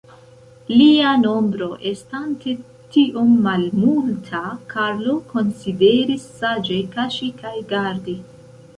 Lia nombro estante tiom malmulta, Karlo konsideris saĝe kaŝi kaj gardi.